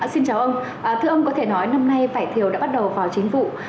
xin chào ông thưa ông có thể nói năm nay vải thiều đã bắt đầu vào chính vụ